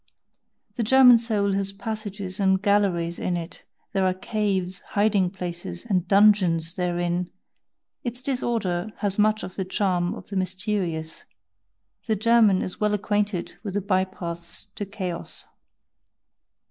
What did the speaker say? The German soul has passages and galleries in it, there are caves, hiding places, and dungeons therein, its disorder has much of the charm of the mysterious, the German is well acquainted with the bypaths to chaos.